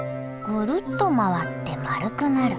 ぐるっと回って丸くなる。